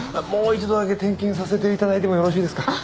もう一度だけ点検させて頂いてもよろしいですか？